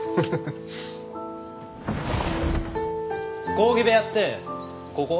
講義部屋ってここ？